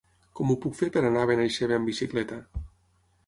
Com ho puc fer per anar a Benaixeve amb bicicleta?